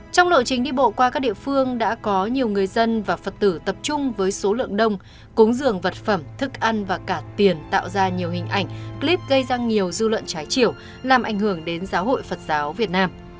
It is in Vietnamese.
trong lộ trình đi bộ qua các địa phương đã có nhiều người dân và phật tử tập trung với số lượng đông cúng dường vật phẩm thức ăn và cả tiền tạo ra nhiều hình ảnh clip gây ra nhiều dư luận trái chiều làm ảnh hưởng đến giáo hội phật giáo việt nam